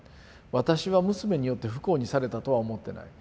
私は娘によって不幸にされたとは思ってない。